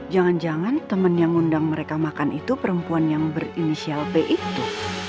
jangan jangan temen yang ngundang mereka makan itu perempuan yang berinisial b itu